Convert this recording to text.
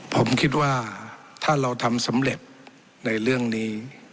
ผมคิดว่าถ้าเราทำสำเร็จในเรื่องนี้